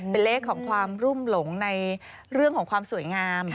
เป็นเลขของความรุ่มหลงในเรื่องของความสวยงาม